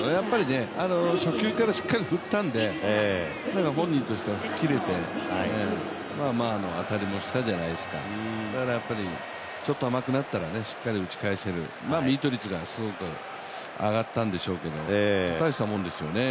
初球からしっかり振ったんで本人としては吹っ切れてまあ当たりはしたじゃないですか、ちょっと甘くなったらしっかり打ち返せる、ミート率がすごい上がったんでしょうけどたいしたものですよね。